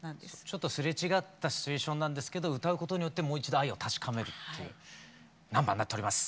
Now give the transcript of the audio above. ちょっとすれ違ったシチュエーションなんですけど歌うことによってもう一度愛を確かめるっていうナンバーになっております。